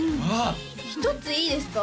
１ついいですか？